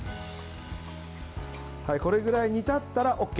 これぐらい煮立ったらＯＫ。